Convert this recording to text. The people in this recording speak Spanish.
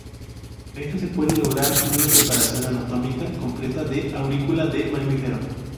Esto se puede lograr en una preparación anatómica completa de aurícula de mamífero.